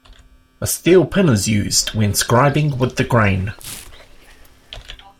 A steel pin is used when scribing with the grain.